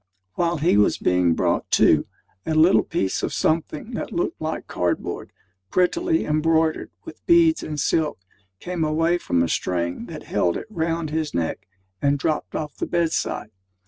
While he was being brought to, a little piece of something that looked like card board, prettily embroidered with beads and silk, came away from a string that held it round his neck, and dropped off the bedside.